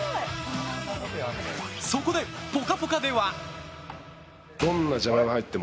そこで、「ぽかぽか」では。